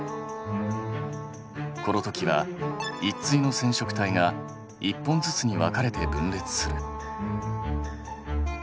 このときは１対の染色体が１本ずつに分かれて分裂する。